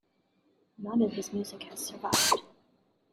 None of his music has survived.